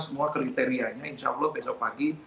semua kriterianya insya allah besok pagi